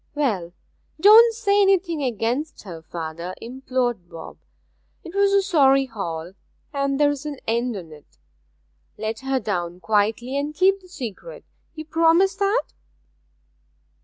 'Well, don't say anything against her, father,' implored Bob. ''Twas a sorry haul, and there's an end on't. Let her down quietly, and keep the secret. You promise that?'